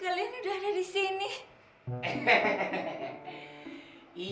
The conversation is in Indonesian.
kalian sudah ada di sini